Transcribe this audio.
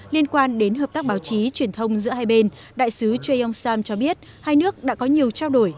liên quan đến hợp tác báo chí truyền thông giữa hai bên đại sứ cho yeong sam cho biết hai nước đã có nhiều trao đổi